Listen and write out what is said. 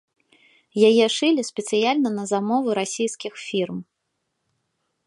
Яе шылі спецыяльна на замову расійскіх фірм.